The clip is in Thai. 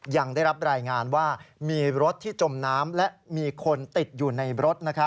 ยังได้รับรายงานว่ามีรถที่จมน้ำและมีคนติดอยู่ในรถ